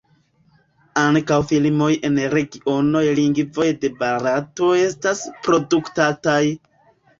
Ankaŭ filmoj en regionaj lingvoj de Barato estas produktataj.